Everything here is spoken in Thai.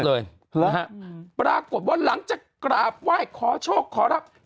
แล้วหรอปรากฏวันหลังจะกราบไหว้ขอโชคขอรับ